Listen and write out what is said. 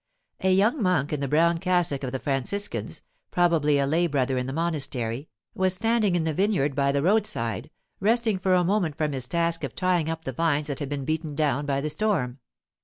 A young monk in the brown cassock of the Franciscans, probably a lay brother in the monastery, was standing in the vineyard by the roadside, resting for a moment from his task of tying up the vines that had been beaten down by the storm.